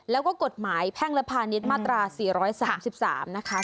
แล้วก็กฎหมายแพ่งลภานิตมาตรา๔๓๓นะคะ